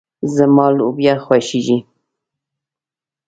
زما لوبيا خوښيږي.